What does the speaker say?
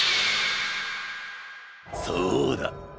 そうだ。